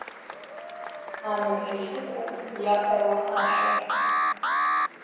Амҩа иахьықәу иаҳәауа ашәа.